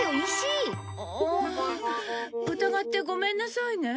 ああ疑ってごめんなさいね。